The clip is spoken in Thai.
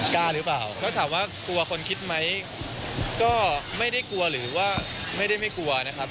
กล้าหรือเปล่าก็ถามว่ากลัวคนคิดไหมก็ไม่ได้กลัวหรือว่าไม่ได้ไม่กลัวนะครับ